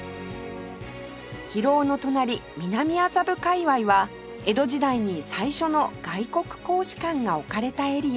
広尾の隣南麻布界隈は江戸時代に最初の外国公使館が置かれたエリア